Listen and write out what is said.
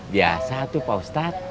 biasa tuh pak ustadz